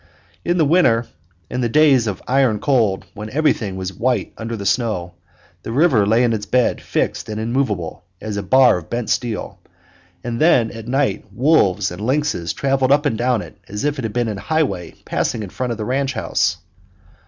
In the winter, in the days of iron cold, when everything was white under the snow, the river lay in its bed fixed and immovable as a bar of bent steel, and then at night wolves and lynxes traveled up and down it as if it had been a highway passing in front of the ranch house.